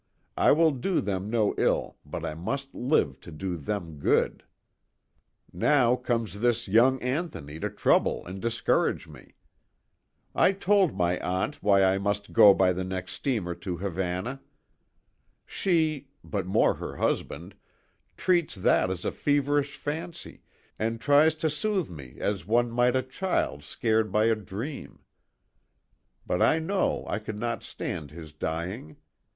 I will do them no ill, but I must live to do them good. " Now comes this young Anthony to trouble and discourage me. " I told my aunt why I must go by the next steamer to Havana. She but more her hus band treats that as a feverish fancy and tries to soothe me as one might a child scared by a THE TWO WILLS. 14! dream. But I know I could not stand his dying.